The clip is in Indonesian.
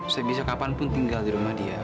saya bisa kapanpun tinggal di rumah dia